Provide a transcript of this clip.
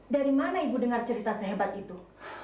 dari mana ibu dengar cerita sehebat itu